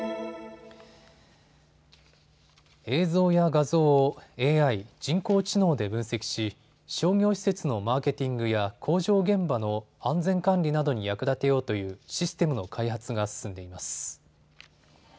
映像や画像、ＡＩ・人工知能で分析し商業施設のマーケティングや工場現場の安全管理などに役立てようというシステムの開発が進んでいます。